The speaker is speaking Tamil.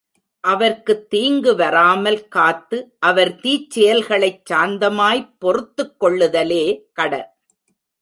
அவர்க்குத் தீங்கு வராமல் காத்து அவர் தீச்செயல்களைச் சாந்தமாய்ப் பொறுத்துக் கொள்ளுதலே கடன்.